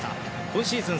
今シーズン